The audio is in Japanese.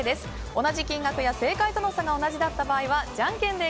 同じ金額や正解との差が同じだった場合はじゃんけんで